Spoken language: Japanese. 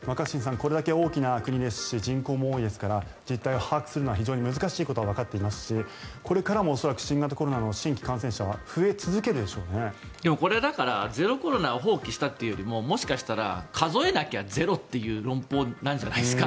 これだけ大きな国ですし人口も多いですから実態を把握するのは難しいことはわかっていますしこれからも恐らく新型コロナの新規感染者はでもこれゼロコロナを放棄したというよりもしかしたら数えなきゃゼロという論法なんじゃないですか。